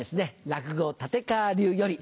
落語立川流より